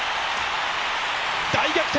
大逆転！